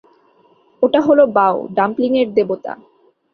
ওটা হলো বাও, ডাম্পলিংয়ের দেবতা।